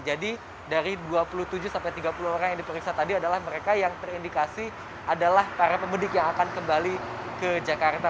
jadi dari dua puluh tujuh sampai tiga puluh orang yang diperiksa tadi adalah mereka yang terindikasi adalah para pemudik yang akan kembali ke jakarta